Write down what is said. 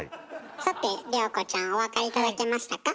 さて涼子ちゃんお分かり頂けましたか？